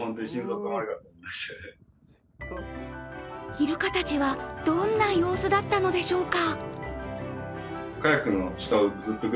イルカたちはどんな様子だったのでしょうか。